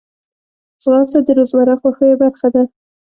ځغاسته د روزمره خوښیو برخه ده